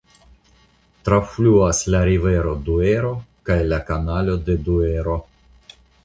Trafluas la rivero Duero kaj la Kanalo de Duero.